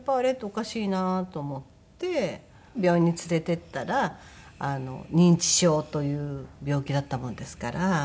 おかしいなと思って病院に連れて行ったら認知症という病気だったものですから。